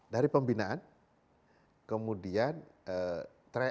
dari pembinaan kemudian try out kemana mana